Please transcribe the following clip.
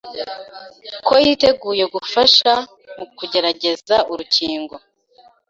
ko yiteguye gufasha mu kugerageza urukingo